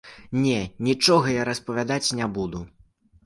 Не, нічога я распавядаць не буду.